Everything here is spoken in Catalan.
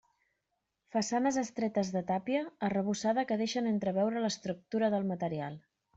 Façanes estretes de tàpia arrebossada que deixen entreveure l'estructura del material.